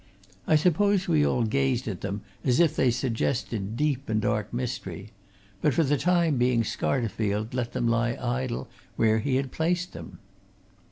I suppose we all gazed at them as if they suggested deep and dark mystery but for the time being Scarterfield let them lie idle where he had placed them.